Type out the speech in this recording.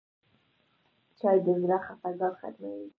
چای د زړه خفګان ختموي.